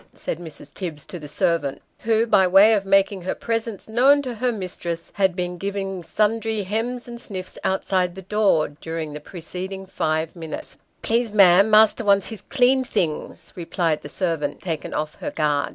" said Mrs. Tibbs to the servant, who, by way of making her presence known to her mistress, had been giving sundry hems and sniffs outside the door during the preceding five minutes. " Please, ma'am, master wants his clean things," replied the servant, taken off her guard.